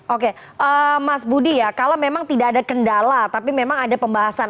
oke mas budi ya kalau memang tidak ada kendala tapi memang ada pembahasan